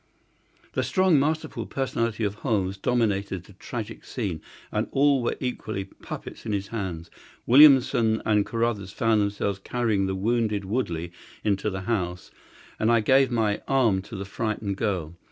The strong, masterful personality of Holmes dominated the tragic scene, and all were equally puppets in his hands. Williamson and Carruthers found themselves carrying the wounded Woodley into the house, and I gave my arm to the frightened girl.